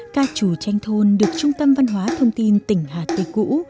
ca trù tranh thôn được trung tâm văn hóa thông tin tỉnh hà tây cũ